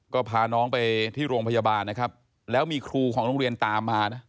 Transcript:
ก็พาน้องไปที่โรงพยาบาลนะครับแล้วมีครูของโรงเรียนตามมานะ